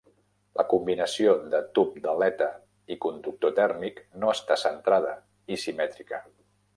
La combinació de tub d'aleta i conductor tèrmic no està centrada i simètrica.